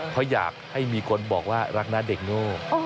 เพราะอยากให้มีคนบอกว่ารักนะเด็กโง่